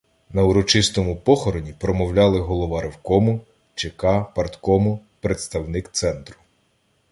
На урочистому похороні промовляли голова ревкому, ЧК, парткому, представник центру.